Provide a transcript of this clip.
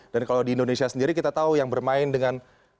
dan kalau di indonesia sendiri kita tahu yang bermain dengan